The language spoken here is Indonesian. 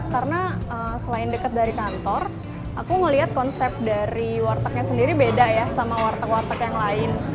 karena selain dekat dari kantor aku melihat konsep dari wartegnya sendiri beda ya sama warteg warteg yang lain